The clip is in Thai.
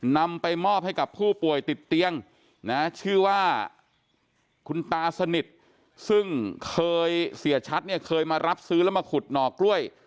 นำไปมอบให้กับผู้ป่วยติดเตียงนะชื่อว่าคุณตาสนิทซึ่งเคยเสียชัดเนี่ยเคยมารับซื้อแล้วมาขุดหนอกล้วย